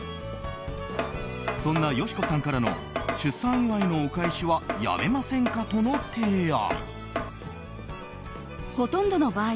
そんな佳子さんからの出産祝いのお返しはやめませんかとの提案。